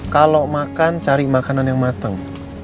kalau makan cari makanan yang matang